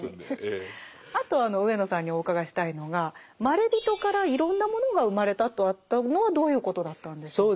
あと上野さんにお伺いしたいのがまれびとからいろんなものが生まれたとあったのはどういうことだったんでしょうか。